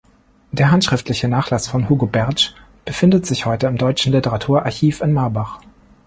Der handschriftliche Nachlass von Hugo Bertsch befindet sich heute im Deutschen Literaturarchiv in Marbach.